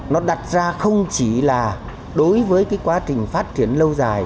nó đặt ra không chỉ là đối với quá trình phát triển lâu dài